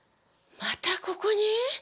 またここに！？